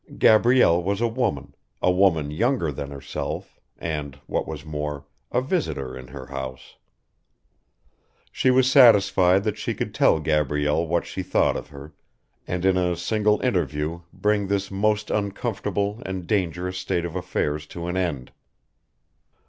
Gabrielle was a woman, a woman younger than herself, and, what was more, a visitor in her house. She was satisfied that she could tell Gabrielle what she thought of her, and, in a single interview bring this most uncomfortable and dangerous state of affairs to an end.